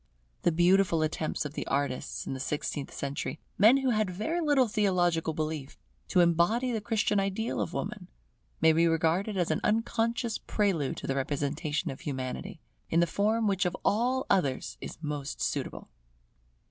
The beautiful attempts of the artists of the sixteenth century, men who had very little theological belief, to embody the Christian ideal of Woman, may be regarded as an unconscious prelude to the representation of Humanity, in the form which of all others is most suitable.